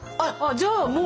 じゃあもう。